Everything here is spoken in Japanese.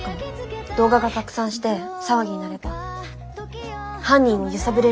動画が拡散して騒ぎになれば犯人を揺さぶれるんじゃないかな。